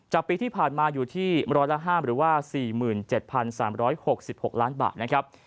ปีที่ผ่านมาอยู่ที่ร้อยละ๕หรือว่า๔๗๓๖๖ล้านบาทนะครับ